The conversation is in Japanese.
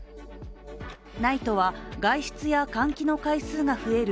ＮＩＴＥは外出や換気の回数が増える